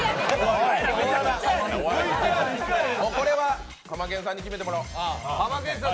これはハマケンさんに決めてもらおう。